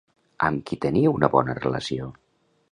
Amb qui tenir una bona relació?